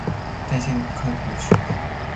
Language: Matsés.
Tsisen uesquiaccosh